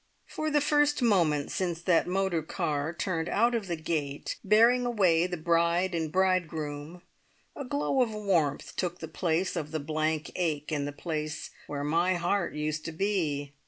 For the first moment since that motor car turned out of the gate, bearing away the bride and bridegroom, a glow of warmth took the place of the blank ache in the place where my heart used to be.